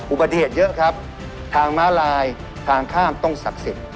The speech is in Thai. อุบัติเหตุเยอะครับทางม้าลายทางข้ามต้องศักดิ์สิทธิ์